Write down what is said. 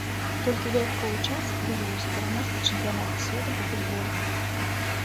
Толькі ў дадатковы час выявіўся пераможца чэмпіянату свету па футболе.